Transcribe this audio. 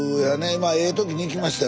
まあええ時に行きましたよ